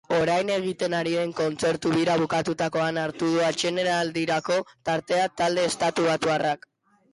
Orain egiten ari den kontzertu bira bukatutakoan hartu du atsedenaldirako tartea talde estatubatuarrak.